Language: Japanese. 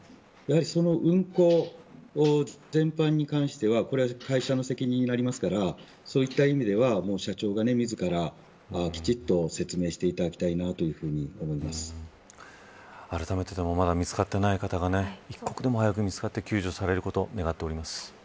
その運航全般に関してはこれは会社の責任になりますからそういった意味では社長がみずからきちんと説明していただきたいとあらためてまだ見つかっていない方が一刻でも早く見つかって救助されることを願っています。